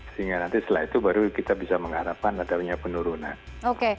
sehingga nanti setelah itu baru kita bisa mengharapkan adanya penurunan